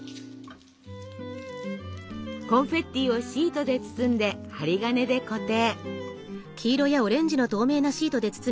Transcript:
コンフェッティをシートで包んで針金で固定。